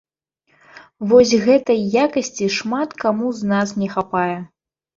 Вось гэтай якасці шмат каму з нас не хапае.